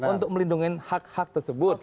untuk melindungi hak hak tersebut